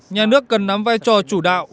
nhà nước cần nắm vai trò chủ đạo